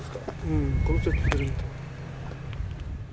うん。